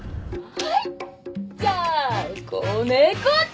はい。